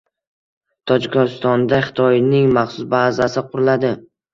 Tojikistonda Xitoyning maxsus bazasi qurilading